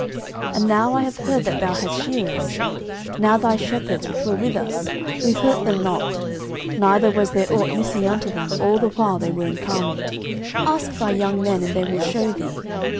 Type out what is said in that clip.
09:025:007 And now I have heard that thou hast shearers: now thy shepherds which were with us, we hurt them not, neither was there ought missing unto them, all the while they were in Carmel. 09:025:008 Ask thy young men, and they will shew thee.